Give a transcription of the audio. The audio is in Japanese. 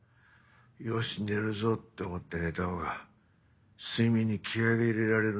よし寝るぞって思って寝た方が睡眠に気合が入れられるんだよな。